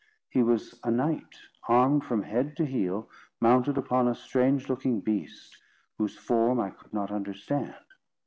He was a knight, armed from head to heel, mounted upon a strange looking beast, whose form I could not understand.